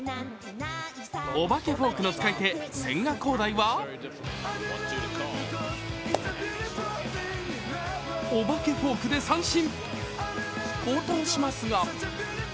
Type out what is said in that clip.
お化けフォークの使い手、千賀滉大はおばけフォークで三振。